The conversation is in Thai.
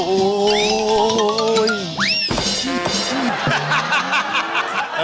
ฮ่าฮ่าฮ่าฮ่า